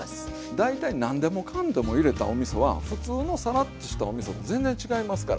大体何でもかんでも入れたおみそは普通のさらっとしたおみそと全然違いますから。